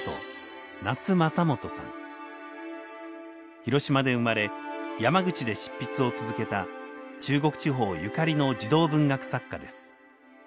広島で生まれ山口で執筆を続けた中国地方ゆかりの児童文学作家です。